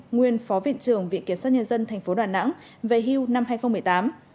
nguyên phó viện trưởng viện kiểm soát nhân dân tp đà nẵng về hưu năm hai nghìn một mươi tám